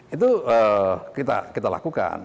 itu kita lakukan